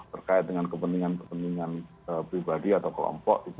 berkait dengan kepentingan pribadi atau kelompok